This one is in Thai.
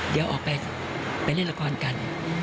เดี๋ยวออกไปเล่นละครกัน